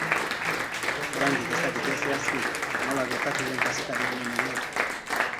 Oraindik ez dakite zehazki nola gertatu den kazetari honen heriotza.